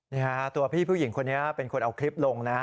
นี่ฮะตัวพี่ผู้หญิงคนนี้เป็นคนเอาคลิปลงนะฮะ